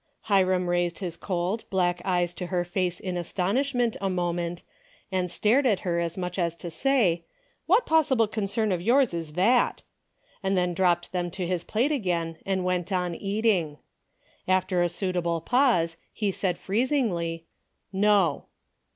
Hiram raised his cold, black eyes to her face in astonishment, a moment, and stared at her as much as to say, " What possible concern of yours is that ?" and then dropped them to his plate again and went on eating. After a 110 A DAILY BATEI^ 111 suitable pause he said freezingly, "No."